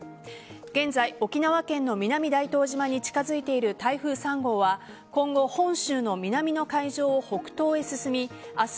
現在沖縄県の南大東島に近づいている台風３号は今後、本州の南の海上を北東へ進み明日